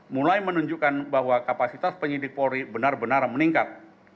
mulai menunjukkan bahwa kapasitas penyidik polri benar benar meningkat